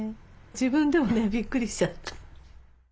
自分でもねびっくりしちゃった。